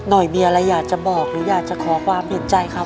หน่อยมีอะไรอยากจะบอกหรืออยากจะขอความเห็นใจครับ